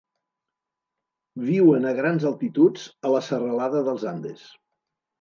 Viuen a grans altituds a la serralada dels Andes.